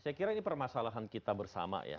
saya kira ini permasalahan kita bersama ya